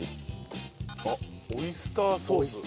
あっオイスターソース？